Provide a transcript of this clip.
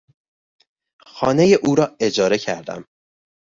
خانهی او را اجاره کردم.